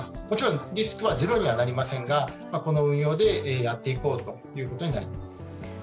もちろんリスクはゼロにはなりませんがこの運用でやっていこうということになります。